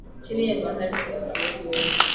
Chini ya bahari kuna samaki wengi